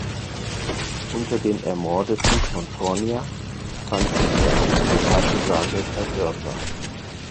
Unter den Ermordeten von Cornia befand sich der einzige Partisan der drei Dörfer.